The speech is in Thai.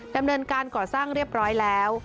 ดำเนินการก่อสร้างเรียบร้อยแล้ว